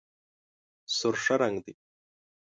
سور ښه رنګ دی.